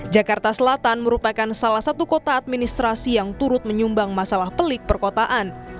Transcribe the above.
jakarta selatan merupakan salah satu kota administrasi yang turut menyumbang masalah pelik perkotaan